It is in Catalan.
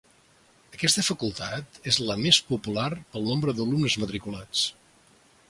Aquesta facultat és la més popular pel nombre d'alumnes matriculats.